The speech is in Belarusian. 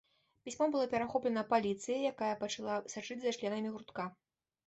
Пісьмо было перахоплена паліцыяй, якая пачала сачыць за членамі гуртка.